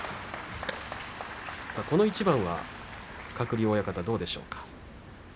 この一番は鶴竜親方どうでしょうか。